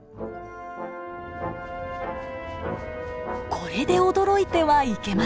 これで驚いてはいけません。